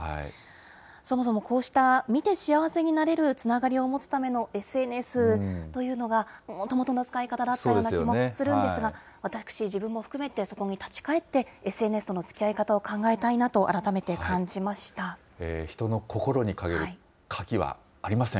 そもそもこうした、見て幸せになれるつながりを持つためのＳＮＳというのが、もともとの使い方だったような気もするんですが、私、自分も含めてそこに立ち返って、ＳＮＳとのつきあい方を考えたい人の心にかける鍵はありません。